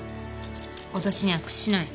脅しには屈しない。